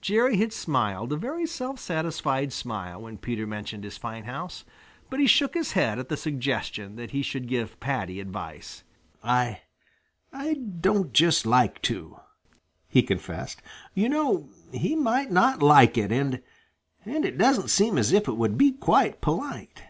Jerry had smiled a very self satisfied smile when Peter mentioned his fine house, but he shook his head at the suggestion that he should give Paddy advice. "I I don't just like to," he confessed. "You know, he might not like it and and it doesn't seem as if it would be quite polite."